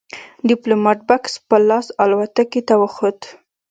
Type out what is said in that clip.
ديپلومات بکس په لاس الوتکې ته وخوت.